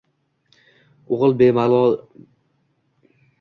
O‘g‘il bebaror chiqdi